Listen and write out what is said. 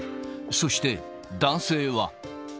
そして、男性は。